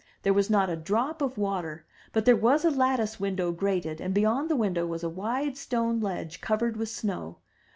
There was not a drop of water, but there was a lattice window grated, and beyond the window was a wide stone ledge covered with snow.